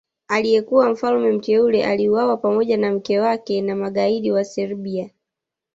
Aliyekuwa mfalme mteule aliuawa pamoja na mke wake na magaidi wa Serbia